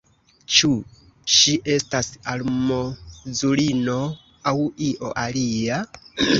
Ĉu ŝi estas almozulino, aŭ io alia?